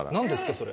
それ。